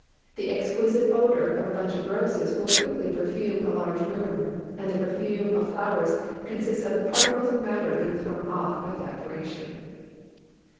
The exquisite odor of a bunch of roses will quickly per fume a large room, and the perfume of flowers consists of the particles of matter being thrown off by evaporation.